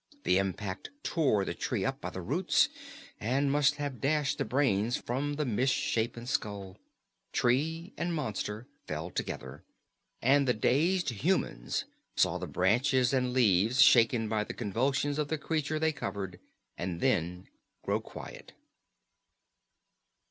The impact tore the tree up by the roots and must have dashed the brains from the misshapen skull. Tree and monster fell together, and the dazed humans saw the branches and leaves shaken by the convulsions of the creature they covered and then grow quiet.